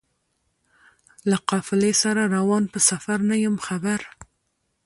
له قافلې سره روان په سفر نه یم خبر